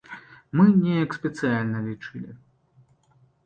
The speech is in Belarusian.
Мы неяк спецыяльна лічылі.